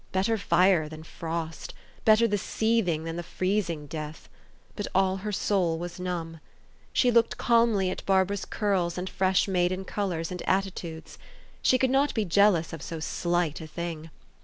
Better fire than frost ! Better the seething than the freez ing death ! But all her soul was numb. She looked calmly at Barbara's curls and fresh maiden colors and attitudes. She could not be jealous of so slight a thing.